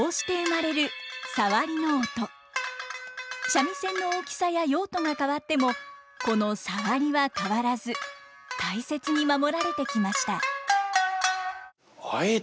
三味線の大きさや用途が変わってもこのサワリは変わらず大切に守られてきました。